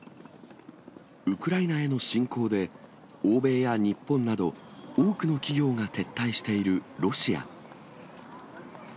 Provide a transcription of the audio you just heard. ウクライナへの侵攻で、欧米や日本など、多くの企業が撤退しているロシア。